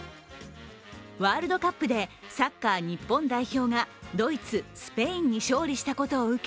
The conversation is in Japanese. ワールドカップでサッカー日本代表がドイツ、スペインに勝利したことを受け